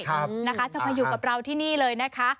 นะคะจะมาอยู่กับเราที่นี่เลยนะคะ